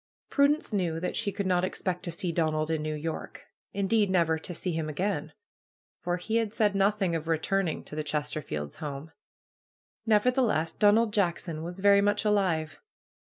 PRUE'S GARDENER Prudence knew that she could not expect to see Don ald in New York; indeed, never to see him again. For he had said nothing of returning to the Chesterfields' home. Nevertheless, Donald Jackson was very much alive.